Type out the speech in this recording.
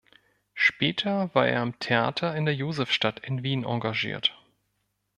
Später war er am Theater in der Josefstadt in Wien engagiert.